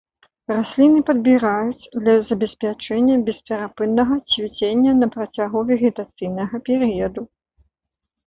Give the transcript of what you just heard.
Расліны падбіраюць для забеспячэння бесперапыннага цвіцення на працягу вегетацыйнага перыяду.